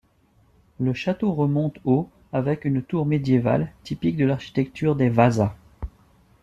Le château remonte au avec une tour médiévale, typique de l'architecture des Wasa.